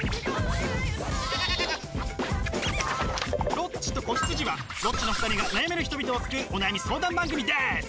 「ロッチと子羊」はロッチの２人が悩める人々を救うお悩み相談番組です！